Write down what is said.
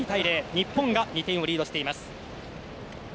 日本が２点をリードしています。